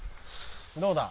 どうだ？